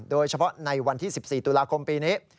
โดยเฉพาะในวันที่๑๔ตุลาคมปีนี้